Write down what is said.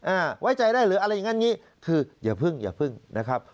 ไว้ใจได้หรืออะไรอย่างงั้นอย่างงี้คืออย่าพึ่งอย่าพึ่งนะครับ